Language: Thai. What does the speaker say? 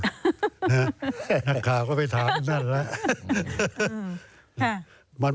คล่ามือกากก็ไปถามถึงแรก